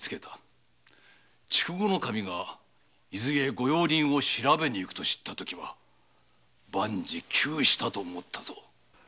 筑後守が伊豆へ御用林を調べに行くと知ったときは万事窮したと思ったぞ。